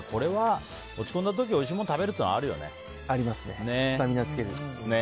落ち込んだ時においしいものを食べるっていうのはあるよね。